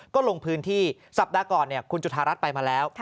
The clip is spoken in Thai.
ก็ลงพื้นที่สัปดาห์ก่อนคุณจุธารัฐไปมาแล้ว